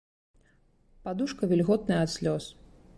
Падушка вільготная ад слёз.